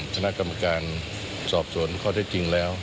พนักกรรมการสอบส่วนข้อได้จริงแล้ว